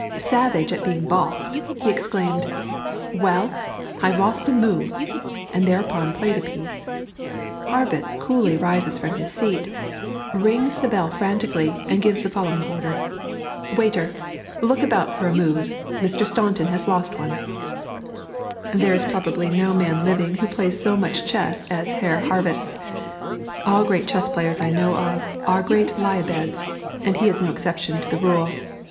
Savage at being balked, he exclaimed "Well, I've lost a move," and thereupon played a piece. Harrwitz coolly rises from his seat, rings the bell frantically, and gives the following order: "Waiter, look about for a move; Mr. Staunton has lost one." [Illustration: HERR ANDERSSEN. M. SAINT AMANT. HERR HARRWITZ.] There is probably no man living who plays so much chess as Herr Harrwitz. All great chess players I know of, are great lie a'beds, and he is no exception to the rule.